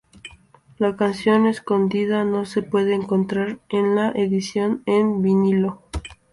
La canción escondida no se puede encontrar en la edición en vinilo.